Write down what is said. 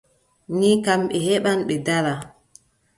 Ni kam, ɓe heɓɓan ɓe daɗɗa.